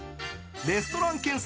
レストラン検索・